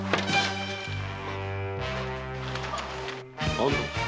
安藤。